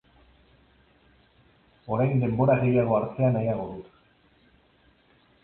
Orain denbora gehiago hartzea nahiago dut.